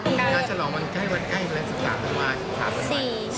ปีถ้าสะลองวันใกล้วันใกล้๑๓ธันวาส